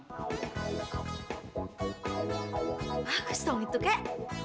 bagus dong itu kak